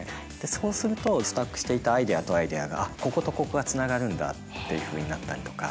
そうすると、スタックしていたアイデアとアイデアが、あっ、こことここがつながるんだっていうふうになったりとか。